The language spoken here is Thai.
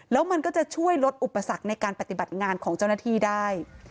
แล้วมันก็จะช่วยลดอุปสรรคในการปฏิบัติงานของเจ้าหน้าที่ได้